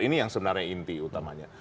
ini yang sebenarnya inti utamanya